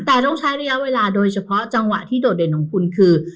แต่ต้องใช้ระยะเวลาโดยเฉพาะจังหวะที่โดดเด่นของคุณคือ